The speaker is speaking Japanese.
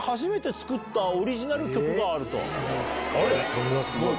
それはすごい。